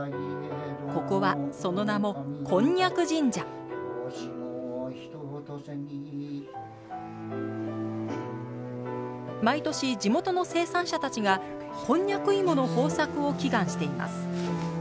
ここはその名も毎年地元の生産者たちがこんにゃく芋の豊作を祈願しています